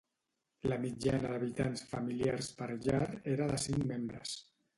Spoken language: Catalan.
La mitjana d'habitants familiars per llar era de cinc membres.